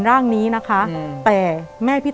แต่ขอให้เรียนจบปริญญาตรีก่อน